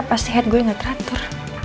pasti head gue gak teratur